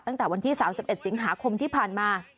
ตั้งแต่วันที่๓๑สิงหาคมที่ผ่านมา